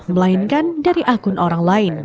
melainkan dari akun orang lain